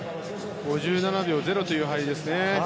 ５７秒０というタイムですね。